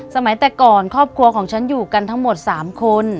สมัยแต่ก่อนครอบครัวของฉันอยู่กันทั้งหมด๓คน